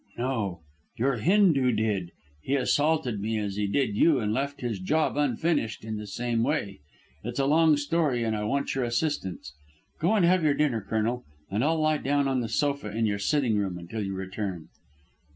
"No. Your Hindoo did. He assaulted me as he did you and left his job unfinished in the same way. It's a long story and I want your assistance. Go and have your dinner, Colonel, and I'll lie down on the sofa in your sitting room until you return."